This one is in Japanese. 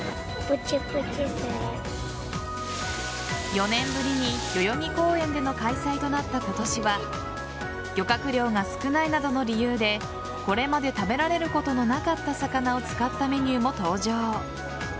４年ぶりに代々木公園での開催となった今年は漁獲量が少ないなどの理由でこれまで食べられることのなかった魚を使ったメニューも登場。